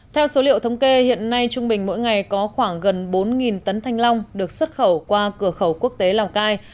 theo số liệu thống kê hiện nay trung bình mỗi ngày có khoảng gần bốn tấn thanh long được xuất khẩu qua cửa khẩu quốc tế lào cai